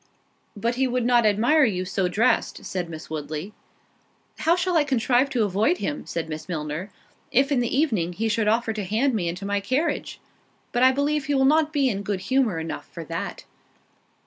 "But he would not admire you so dressed," said Miss Woodley. "How shall I contrive to avoid him," said Miss Milner, "if in the evening he should offer to hand me into my carriage? But I believe he will not be in good humour enough for that."